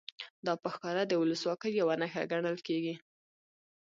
دا په ښکاره د ولسواکۍ یوه نښه ګڼل کېږي.